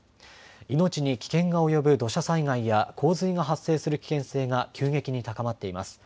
命に危険が及ぶ土砂災害や洪水が発生する危険性が急激に高まっています。